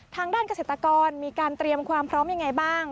ทางด้านเกษตรกรมีการเตรียมความพร้อมยังไงบ้าง